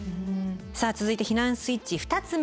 さあ続いて避難スイッチ２つ目。